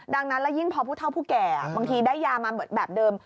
ดังนั้นแล้วยิ่งพอผู้เท่าผู้แก่บางทีได้ยามาเหมือนแบบเดิม